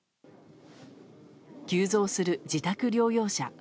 急増する自宅療養者。